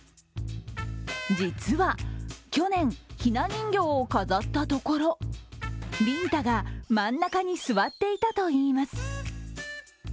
実は去年、ひな人形を飾ったところリンタが真ん中に座っていたといいます。